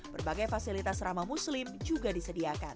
berbagai fasilitas ramah muslim juga disediakan